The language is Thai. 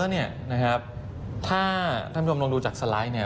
ถ้าท่านผู้ชมลองดูจากสไลด์